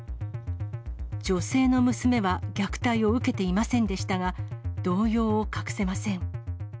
女性の娘は虐待を受けていませんでしたが、動揺を隠せません。